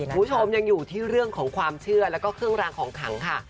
คุณผู้ชมยังอยู่ที่เรื่องของความเชื่อแล้วก็เครื่องรางของขังค่ะ